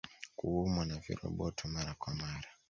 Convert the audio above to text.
Kuumwa na viroboto Mara kwa mara